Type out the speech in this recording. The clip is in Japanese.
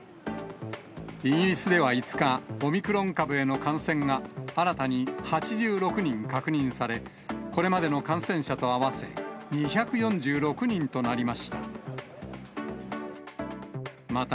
イギリスでは５日、オミクロン株への感染が新たに８６人確認され、これまでの感染者と合わせ、２４６人となりました。